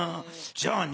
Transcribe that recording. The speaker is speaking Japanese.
じゃあね